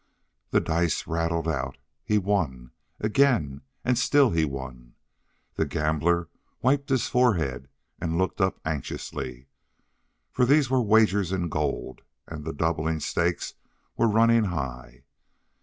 The dice rattled out. He won. Again, and still he won. The gambler wiped his forehead and looked up anxiously. For these were wagers in gold, and the doubling stakes were running high.